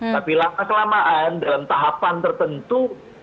tapi lama kelamaan dalam tahapan tertentu